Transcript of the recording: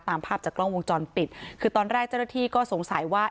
ตามภาพจากกล้องวงจรปิดคือตอนแรกเจ้าหน้าที่ก็สงสัยว่า